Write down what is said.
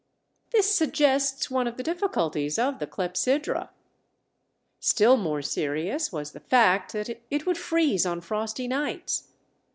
This suggests one of the difficulties of the clepsydra. Still more serious was the fact that it would freeze on frosty nights.